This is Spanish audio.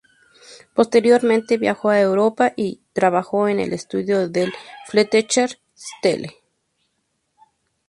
Posteriormente viajó a Europa y trabajó en el estudio del Fletcher Steele.